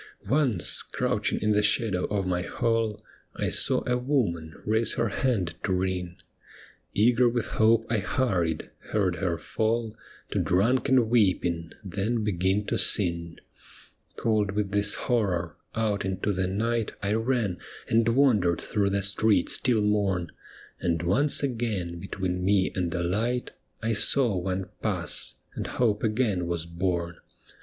Once, crouching in the shadow of my hall I saw a woman raise her hand to ring. Eager with hope I hurried — heard her fall To drunken weeping, then begin to sing. Cold with this horror, out into the night I ran and wandered through the streets till morn ; And once again between me and the light I saw one pass — and hope again was born.